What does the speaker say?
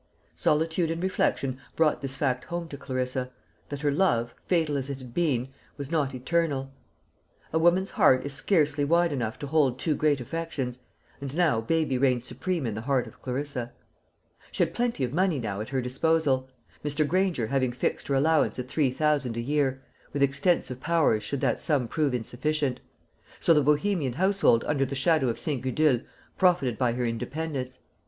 Solitude and reflection brought this fact home to Clarissa, that her love, fatal as it had been, was not eternal. A woman's heart is scarcely wide enough to hold two great affections; and now baby reigned supreme in the heart of Clarissa. She had plenty of money now at her disposal; Mr. Granger having fixed her allowance at three thousand a year, with extensive powers should that sum prove insufficient; so the Bohemian household under the shadow of St. Gudule profited by her independence.